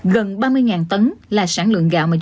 gần ba mươi tấn là sản lượng gạo mà doanh nghiệp đã tạo ra